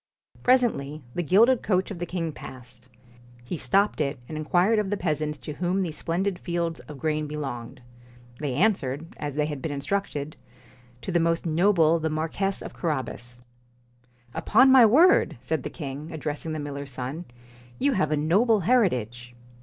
Presently the gilded coach of the king passed. He stopped it and inquired of the peasants to whom these splendid fields of grain belonged. They answered, as they had been instructed, ' To the most noble the Marquess of Carabas.' 1 Upon my word !' said the king, addressing the miller's son, ' you have a noble heritage.'